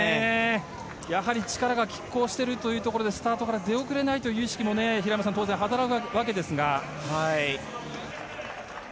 やはり力が拮抗しているというところでスタートから出遅れないという意識もはい。